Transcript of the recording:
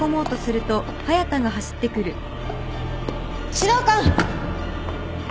指導官！